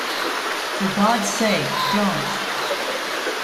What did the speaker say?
For God's sake, don't!